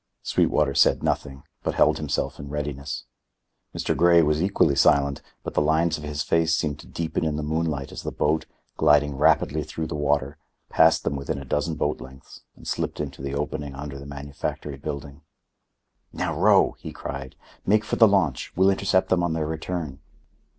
Sweetwater said nothing, but held himself in readiness. Mr. Grey was equally silent, but the lines of his face seemed to deepen in the moonlight as the boat, gliding rapidly through the water, passed them within a dozen boat lengths and slipped into the opening under the manufactory building. "Now row!" he cried. "Make for the launch. We'll intercept them on their return."